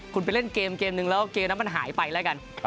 คุณไปเล่นเกมเกมนึงแล้วเกมนั้นมันหายไปแล้วกัน